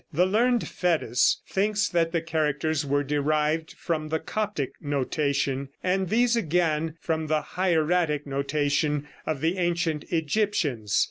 The learned Fétis thinks that the characters were derived from the Coptic notation, and these again from the hieratic notation of the ancient Egyptians.